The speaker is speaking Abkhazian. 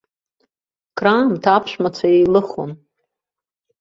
Краамҭа аԥшәмацәа еилыхон.